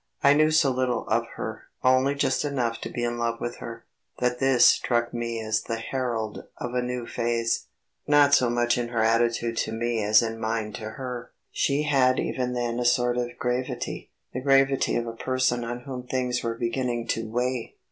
I knew so little of her only just enough to be in love with her that this struck me as the herald of a new phase, not so much in her attitude to me as in mine to her; she had even then a sort of gravity, the gravity of a person on whom things were beginning to weigh.